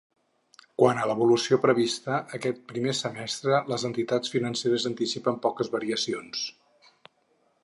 Quant a l’evolució prevista aquest primer semestre, les entitats financeres anticipen poques variacions.